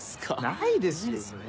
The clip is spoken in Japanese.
ないですよね。